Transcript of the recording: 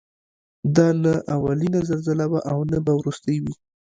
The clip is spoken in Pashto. دا نه اولینه زلزله وه او نه به وروستۍ وي.